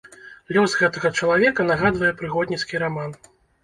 Лёс гэтага чалавека нагадвае прыгодніцкі раман.